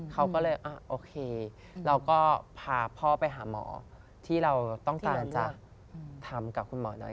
เขาก็เลยโอเคเราก็พาพ่อไปหาหมอที่เราต้องการจะทำกับคุณหมอหน่อย